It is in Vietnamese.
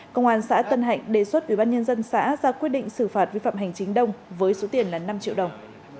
công an xã tân hạnh đề xuất ubnd xã ra quyết định xử phạt vi phạm hành chính đông với số tiền là năm triệu đồng